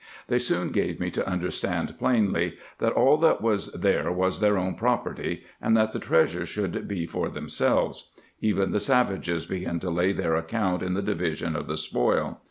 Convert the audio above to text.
They soon gave me to understand plainly, that all that was there was their own property; and that the treasure should be for themselves. Even the savages began to lay their account in the division of the spoil.